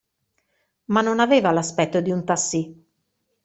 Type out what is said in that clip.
Ma non aveva l'aspetto di un tassì.